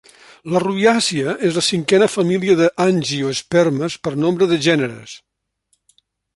La Rubiàcia és la cinquena família d'angiospermes per nombre de gèneres.